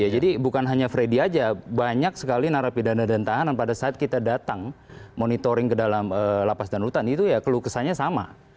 jadi bukan hanya freddy saja banyak sekali narapidana dan tahanan pada saat kita datang monitoring ke dalam lapas dan rutan itu ya keluh kesahannya sama